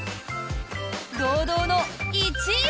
堂々の１位は。